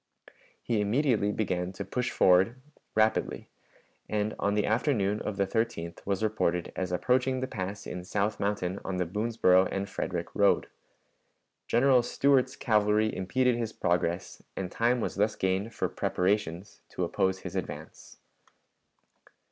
He immediately began to push forward rapidly, and on the afternoon of the 13th was reported as approaching the pass in South Mountain on the Boonsboro and Frederick road. General Stuart's cavalry impeded his progress, and time was thus gained for preparations to oppose his advance.